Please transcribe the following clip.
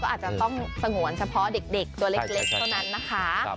อาจจะต้องสงวนเฉพาะเด็กตัวเล็กเท่านั้นนะคะ